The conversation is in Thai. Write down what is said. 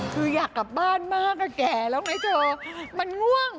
คืออยากกลับบ้านมากอ่ะแก่แล้วไงเธอมันง่วง